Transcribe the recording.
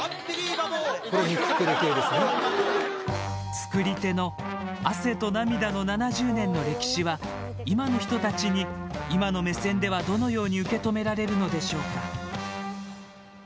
作り手の、汗と涙の７０年の歴史は、今の人たちに今の目線ではどのように受けとめられるのでしょうか。